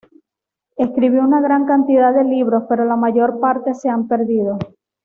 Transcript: Escribió una gran cantidad de libros, pero la mayor parte se han perdido.